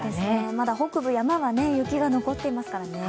まだ北部、山は雪が残っていますからね。